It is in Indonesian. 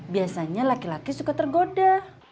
biasanya laki laki suka tergoda